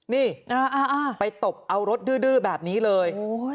นี่ไปตบเอารถดื้อแบบนี้เลย